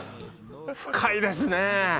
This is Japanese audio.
深いですね。